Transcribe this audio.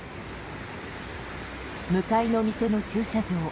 向かいの店の駐車場